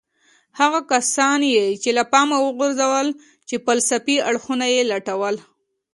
هغه کسان يې له پامه وغورځول چې فلسفي اړخونه يې لټول.